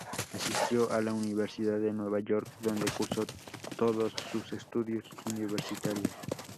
Asistió a la Universidad de Nueva York donde cursó todos sus estudios universitarios.